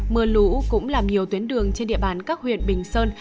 mưa lũ cũng làm nhiều tuyến đường trên địa bàn các huyện bình sơn